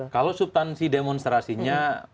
kalau subtansi demonstrasinya